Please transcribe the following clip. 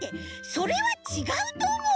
それはちがうとおもう。